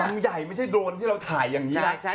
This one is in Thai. สามารถสั่งโจมตีน้องขนางน้องสี่